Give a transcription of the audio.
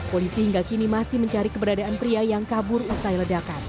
polisi hingga kini masih mencari keberadaan pria yang kabur usai ledakan